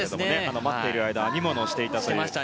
待っている間に編み物をしていたという。